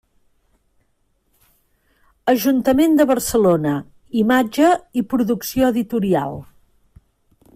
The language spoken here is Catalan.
Ajuntament de Barcelona, Imatge i Producció Editorial.